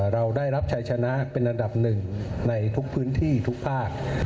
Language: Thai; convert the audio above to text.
เราได้รับชัยชนะเป็นอันดับหนึ่งในทุกพื้นที่ทุกภาค